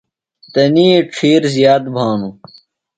تنی ڇِھیر زِیات بھانوۡ۔